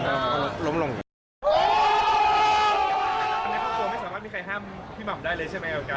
อันนี้ครอบครัวไม่สามารถมีใครห้ามพี่หม่ำได้เลยใช่ไหม